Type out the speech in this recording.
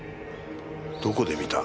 どこで見た？